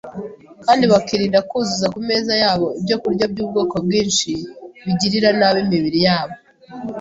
kandi bakirinda kuzuza ku meza yabo ibyokurya by’ubwoko bwinshi bigirira nabi imibiri yabo,